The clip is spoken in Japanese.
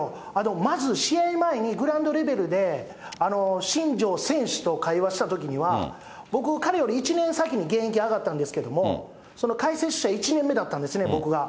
まず試合前にグラウンドレベルで、新庄選手と会話したときには、僕、彼より１年先に現役上がったんですけども、その解説者１年目だったんですね、僕が。